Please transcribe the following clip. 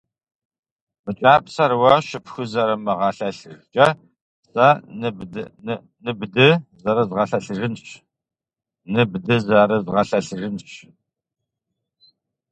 Мы кӏапсэр уэ щыпхузэрымыгъэлъэлъыжкӏэ сэ ныбдызэрызгъэлъэлъыжынщ.